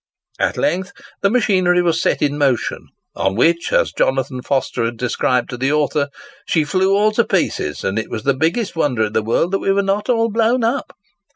At length the machinery was set in motion, on which, as Jonathan Foster described to the author "she flew all to pieces, and it was the biggest wonder i' the world that we were not all blewn up."